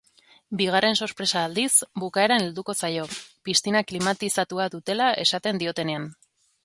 Bigarren sorpresa aldiz, bukaeran helduko zaio, piztina klimatizatua dutela esaten diotenean.